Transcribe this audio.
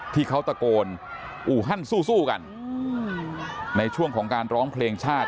ที่เขาตะโกนอู่ฮั่นสู้กันในช่วงของการร้องเพลงชาติ